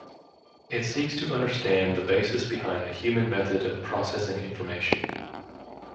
It seeks to understand the basis behind the human method of processing of information.